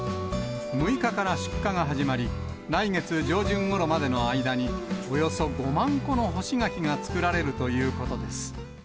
６日から出荷が始まり、来月上旬ごろまでの間に、およそ５万個の干し柿が作られるということです。